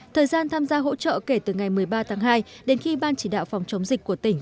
thời gian tham gia hỗ trợ kể từ ngày một mươi ba tháng hai đến khi ban chỉ đạo phòng chống dịch của tỉnh